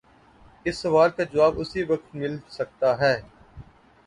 اس سوال کا جواب اسی وقت مل سکتا ہے۔